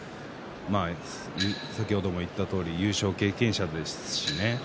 先ほども言ったとおり優勝経験者ですね。